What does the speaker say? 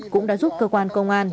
cũng đã giúp cơ quan công an